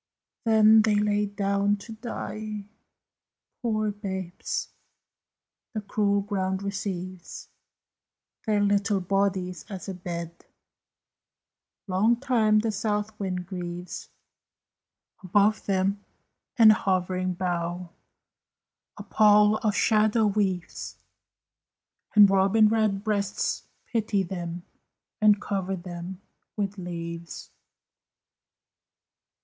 Then they lie down to die, poor babes! The cruel ground receives Their little bodies as a bed; Long time the south wind grieves Above them; and a hovering bough A pall of shadow weaves; And robin red breasts pity them, And cover them with leaves!